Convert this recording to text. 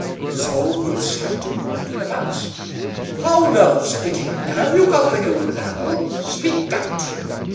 So Boots had to go up to the palace. "How now," said the king; "have you got the golden apple? Speak out!"